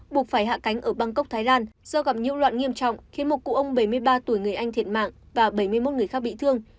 buộc phải hạ cánh ở bangkok thái lan do gặp nhiễu loạn nghiêm trọng khiến một cụ ông bảy mươi ba tuổi người anh thiệt mạng và bảy mươi một người khác bị thương